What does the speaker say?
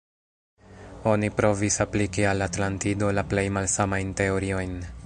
Oni provis apliki al Atlantido la plej malsamajn teoriojn.